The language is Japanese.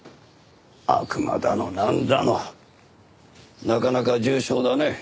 悪魔だのなんだのなかなか重症だね。